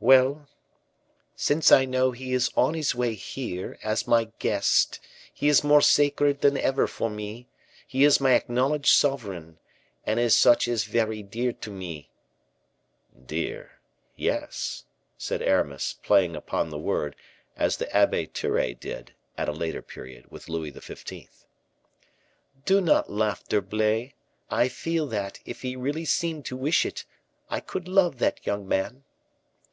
"Well, since I know he is on his way here, as my guest, he is more sacred than ever for me; he is my acknowledged sovereign, and as such is very dear to me." "Dear? yes," said Aramis, playing upon the word, as the Abbe Terray did, at a later period, with Louis XV. "Do not laugh, D'Herblay; I feel that, if he really seemed to wish it, I could love that young man."